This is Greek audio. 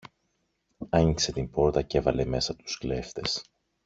άνοιξε την πόρτα κι έβαλε μέσα τους κλέφτες.